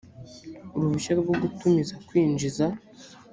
uruhushya rwo gutumiza kwinjiza